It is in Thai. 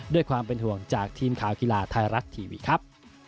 ด้วยความเป็นห่วงจากทีมข่าวกีฬาไทยรัฐทีวีครับ